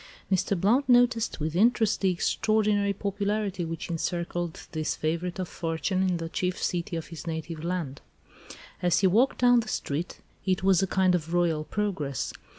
Mr. Blount noticed with interest the extraordinary popularity which encircled this favourite of fortune in the chief city of his native land. As he walked down the street it was a kind of royal progress.